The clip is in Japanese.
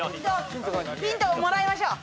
ヒントもらいましょう。